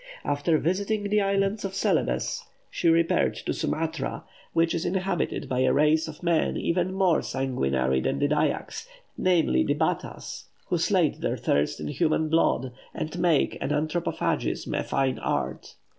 After visiting the island of Celebes she repaired to Sumatra, which is inhabited by a race of men even more sanguinary than the Dyaks, namely, the Battahs, who slake their thirst in human blood, and make of anthropophagism a "fine art!"